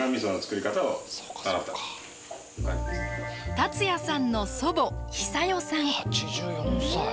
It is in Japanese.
達也さんの祖母ヒサヨさん。